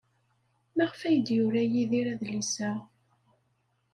Maɣef ay d-yura Yidir adlis-a?